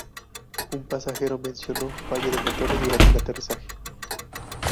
Un pasajero menciono "fallo de motores durante el aterrizaje".